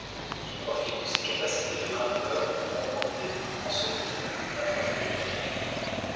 Il profite de ses capacités de grimpeur pour remporter, en solitaire, la troisième étape.